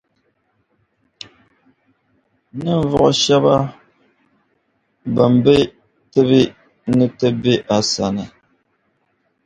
ninvuɣ’ shɛb’ bɛn be tibi ni ti be a sani.